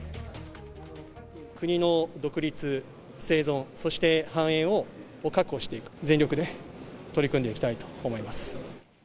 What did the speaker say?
国の独立生存、そして繁栄を確保していく、全力で取り組んでいきたいと思います。